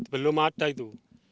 belum ada itu